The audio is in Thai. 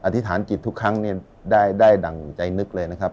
ธิษฐานจิตทุกครั้งได้ดั่งใจนึกเลยนะครับ